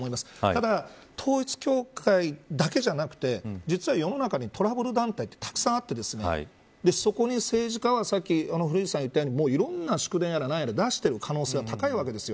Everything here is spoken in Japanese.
ただ、統一教会だけじゃなくて実は世の中にトラブル団体ってたくさんあってそこに政治家はさっき古市さん言ったようにいろんな祝電やら何やらを出している可能性が高いわけです。